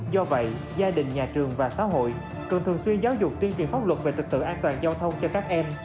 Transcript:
do vậy gia đình nhà trường và xã hội cần thường xuyên giáo dục tuyên truyền pháp luật về trực tự an toàn giao thông cho các em